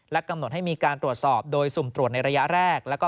กำหนดให้มีการตรวจสอบโดยสุ่มตรวจในระยะแรก